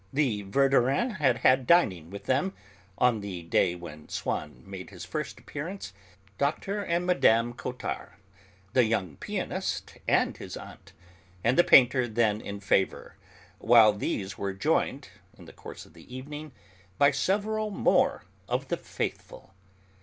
The Verdurins had had dining with them, on the day when Swann made his first appearance, Dr. and Mme. Cottard, the young pianist and his aunt, and the painter then in favour, while these were joined, in the course of the evening, by several more of the 'faithful.'